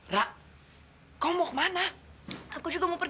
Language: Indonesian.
bagaimana deh kita kah iya demokrat